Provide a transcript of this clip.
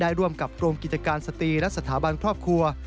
ร่วมกับกรมกิจการสตรีและสถาบันครอบครัว